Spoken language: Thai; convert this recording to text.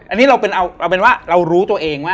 อันนี้เราเป็นว่าเรารู้ตัวเองว่า